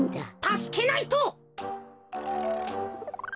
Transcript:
たすけないと！